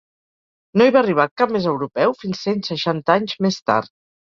No hi va arribar cap més europeu fins cent seixanta anys més tard.